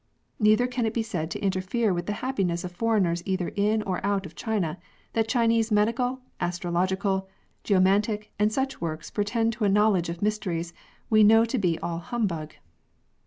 Neither can it be said to interfere with the happiness of foreigners either in or out of China that Chinese medical, astrological, geomantic, and such w^orks, pretend to a knowledge of mysteries we know to be all humbug.